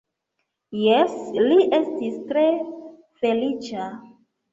Jes, li estis tre feliĉa.